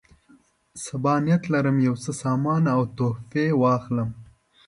سبا نیت لرم یو څه سامان او تحفې واخلم.